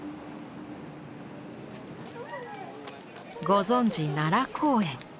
ご存じ奈良公園。